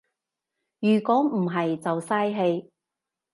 如果唔係就嘥氣